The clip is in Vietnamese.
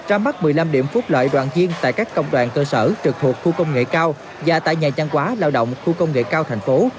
ra mắt một mươi năm điểm phúc lợi đoàn viên tại các công đoàn cơ sở trực thuộc khu công nghệ cao và tại nhà trang quá lao động khu công nghệ cao thành phố